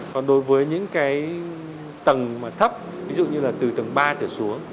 còn đối với những tầng thấp ví dụ như từ tầng ba xuống